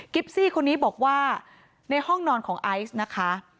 ซี่คนนี้บอกว่าในห้องนอนของไอซ์นะคะ